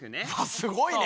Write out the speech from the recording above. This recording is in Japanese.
すごいね。